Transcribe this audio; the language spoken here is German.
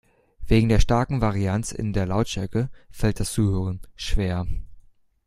Wegen der starken Varianz in der Lautstärke fällt das Zuhören schwer.